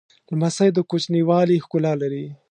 لمسی د کوچنیوالي ښکلا لري.